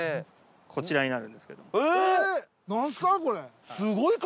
こちらになるんですけど。